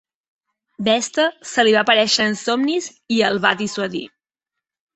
Vesta se li va aparèixer en somnis i el va dissuadir.